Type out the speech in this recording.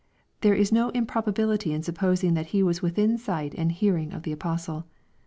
There is no improba bility in supposing that He was within sight and hearing of the apostle.